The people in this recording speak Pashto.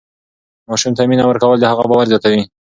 ماشوم ته مینه ورکول د هغه باور زیاتوي.